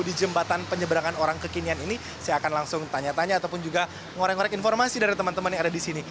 di jembatan penyeberangan orang kekinian ini saya akan langsung tanya tanya ataupun juga ngoreng ngorek informasi dari teman teman yang ada di sini